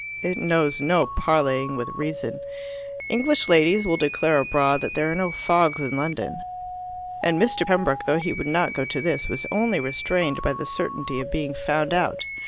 It knows no parleying with reason. English ladies will declare abroad that there are no fogs in London, and Mr. Pembroke, though he would not go to this, was only restrained by the certainty of being found out.